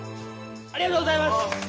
ありがとうございます！